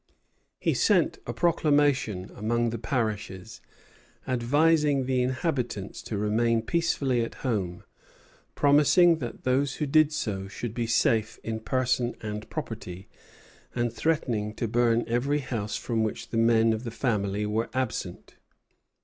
He sent a proclamation among the parishes, advising the inhabitants to remain peacefully at home, promising that those who did so should be safe in person and property, and threatening to burn every house from which the men of the family were absent.